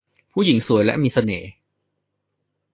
ผู้หญิงสวยและมีเสน่ห์